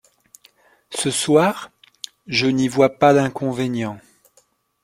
Ce soir ? Je n'y vois pas d'inconvénient.